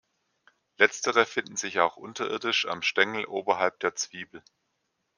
Letztere finden sich auch unterirdisch am Stängel oberhalb der Zwiebel.